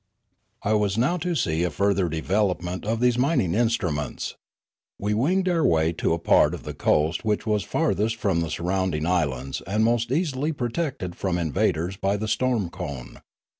I was now to see a further development of these mining instruments. We winged our way to a part of the coast which was farthest from the surrounding islands and most easily protected from invaders by the storm cone.